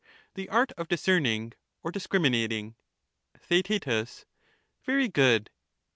The art of discerning or discriminating. TheaeU Very good.